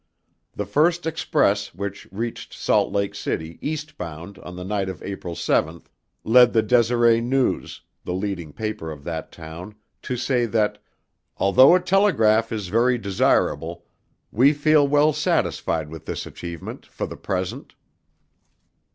The first express which reached Salt Lake City eastbound on the night of April 7, led the Deseret News, the leading paper of that town to say that: "Although a telegraph is very desirable, we feel well satisfied with this achievement for, the present."